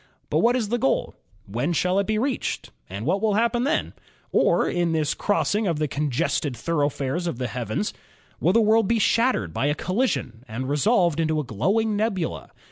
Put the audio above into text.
But what is the goal, when shall it be reached and what will happen then ? Or, in this crossing of the congested thoroughfares of the heavens, will the world be shattered by a collision and resolved into a glowing nebula?